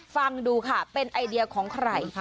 ฟังดูค่ะเป็นไอเดียของใคร